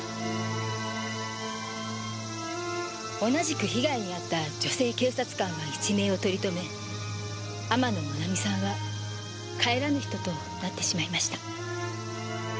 同じく被害に遭った女性警察官は一命をとりとめ天野もなみさんは帰らぬ人となってしまいました。